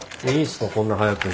こんな早くに。